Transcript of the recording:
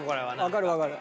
分かる分かる。